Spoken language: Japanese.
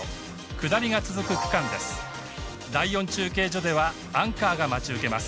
下りが続く区間です。